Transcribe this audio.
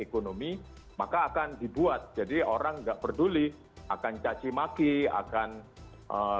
jika kita melakukan sesuatu yang bukan sesuatu yang isu kenzien